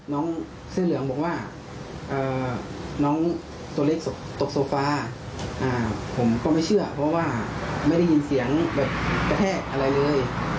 น้องเสื้อเหลืองบอกว่าน้องตัวเล็กตกโซฟาผมก็ไม่เชื่อเพราะว่าไม่ได้ยินเสียงแบบกระแทกอะไรเลย